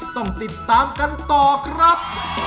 ต้องติดตามกันต่อครับ